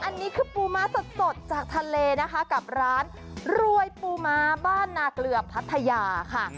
อันนี้คือปูม้าสดจากทะเลนะคะกับร้านรวยปูม้าบ้านนาเกลือพัทยาค่ะ